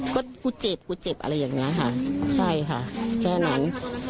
ก็กูเจ็บกูเจ็บอะไรอย่างนี้ค่ะใช่ค่ะแค่นั้น